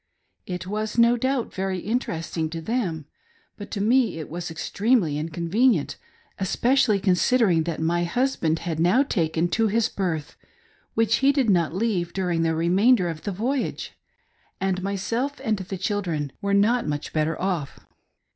It was, no doubt, very interesting to them, but to me it was extremely incon venient, especially considering that^ my husband had now taken to his berth, which he did not leave during the remain der of the voyage, and myself and the children were not much better off.